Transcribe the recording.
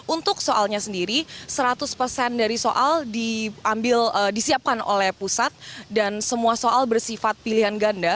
untuk soalnya sendiri seratus persen dari soal diambil disiapkan oleh pusat dan semua soal bersifat pilihan ganda